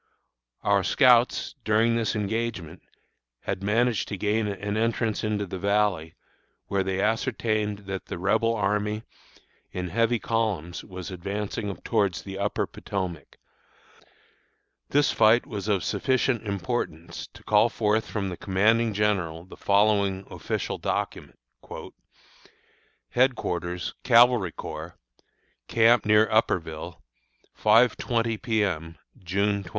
Our scouts, during this engagement, had managed to gain an entrance into the Valley, where they ascertained that the Rebel army, in heavy columns, was advancing towards the Upper Potomac. This fight was of sufficient importance to call forth from the commanding general the following official document: HEADQUARTERS CAVALRY CORPS, Camp near Upperville, 5.20 P. M., June 21.